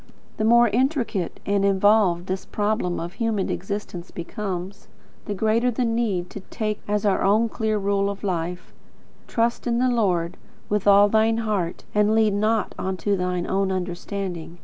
The more intricate and involved this problem of human existence becomes, the greater the need to take as our own clear rule of life: "Trust in the Lord with all thine heart; and lean not unto thine own understanding.